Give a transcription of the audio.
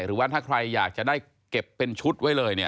หรือว่าถ้าใครอยากจะได้เก็บเป็นชุดไว้เลยเนี่ย